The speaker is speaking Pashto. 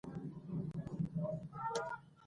لیکوالان دې ملاتړ وسي.